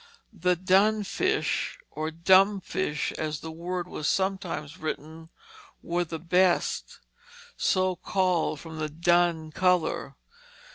The dun fish or dumb fish, as the word was sometimes written, were the best; so called from the dun color.